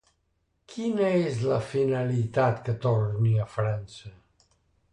Quina és la finalitat que torni a França?